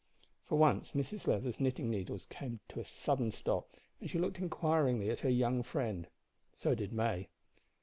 For once Mrs Leather's knitting needles came to a sudden stop, and she looked inquiringly at her young friend. So did May.